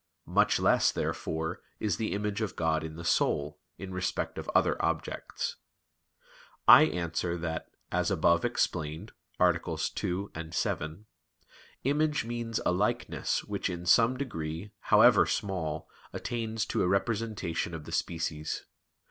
Much less, therefore, is the image of God in the soul, in respect of other objects. I answer that, As above explained (AA. 2, 7), image means a likeness which in some degree, however small, attains to a representation of the species.